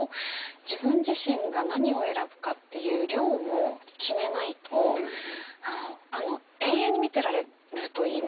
自分自身が何を選ぶかっていう量も決めないと永遠に見てられるといいますか。